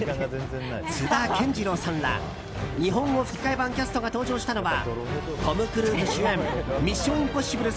津田健次郎さんら日本語吹き替え版キャストが登場したのはトム・クルーズ主演「ミッション：インポッシブル」